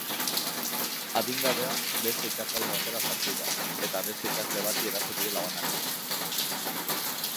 Adingabea beste ikasgela batera sartu da eta beste ikasle bati eraso dio labanarekin.